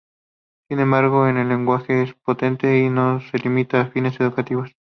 Sin embargo, este lenguaje es potente y no se limita a fines educativos.